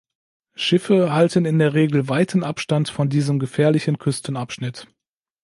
Schiffe halten in der Regel weiten Abstand von diesem gefährlichen Küstenabschnitt.